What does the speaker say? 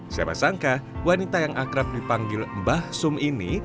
siapa sangka wanita yang akrab dipanggil mbah sum ini